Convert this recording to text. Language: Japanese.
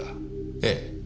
ええ。